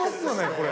これ。